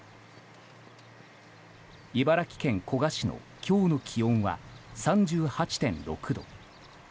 茨城県古河市の今日の気温は３８．６度。